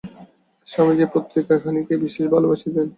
স্বামীজী এই পত্রিকাখানিকে বিশেষ ভালবাসিতেন।